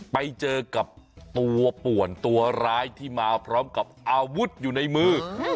ไปเจอกับตัวป่วนตัวร้ายที่มาพร้อมกับอาวุธอยู่ในมือ